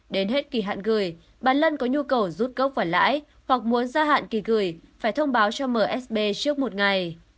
đến hết kỳ hạn gửi bà lân có nhu cầu rút cốc và lãi hoặc muốn gia hạn kỳ gửi phải thông báo cho msb trước một ngày